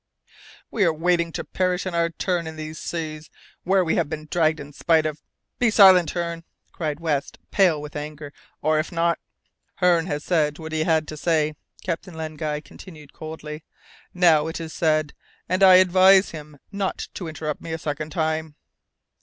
"We are waiting to perish in our turn, in these seas, where we have been dragged in spite of " "Be silent, Hearne," cried West, pale with anger, "or if not " "Hearne has said what he had to say," Captain Len Guy continued, coldly. "Now it is said, and I advise him not to interrupt me a second time!"